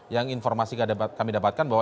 yang informasi kami dapatkan bahwa